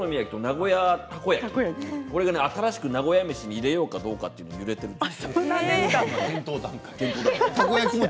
名古屋たこ焼き、新しく名古屋めしに入れようかどうか揺れているんです。